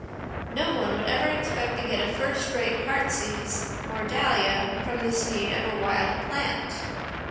No one would ever expect to get a first rate heartsease or dahlia from the seed of a wild plant.